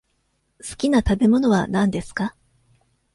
すきな食べ物は何ですか。